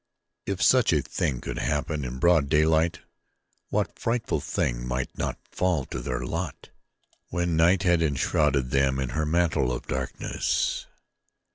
If such a thing could happen in broad daylight what frightful thing might not fall to their lot when night had enshrouded them in her mantle of darkness.